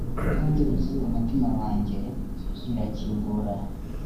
kandi nzi umutima wanjye irakingura